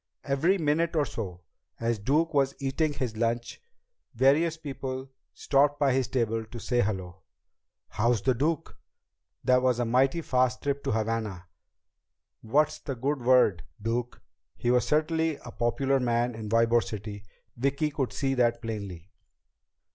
Every minute or so, as Duke was eating his lunch, various people stopped by his table to say hello. "How's the Duke?" "That was a mighty fast trip to Havana!" "What's the good word, Duke?" He certainly was a popular man in Ybor City, Vicki could see that plainly.